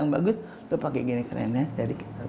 yang bagus lalu pakai gini keren ya